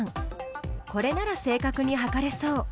これなら正確に測れそう。